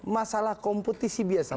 masalah kompetisi biasa